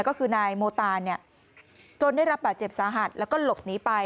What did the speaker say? ก็คือนายโมตานจนได้รับบาดเจ็บสาหัสแล้วก็หลบหนีไป